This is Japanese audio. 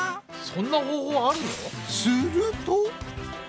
そんな方法あるの？